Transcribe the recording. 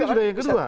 ini sudah yang kedua